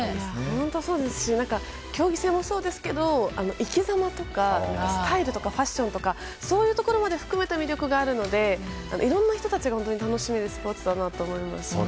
本当そうですし競技性もそうですけど生きざまとかスタイルとかファッションとかそういったところまで含めて魅力があるのでいろんな人たちが楽しめるスポーツだなと思います。